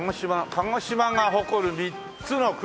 「鹿児島が誇る三つの黒」。